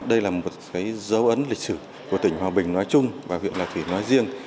đây là một dấu ấn lịch sử của tỉnh hòa bình nói chung và huyện lạ thủy nói riêng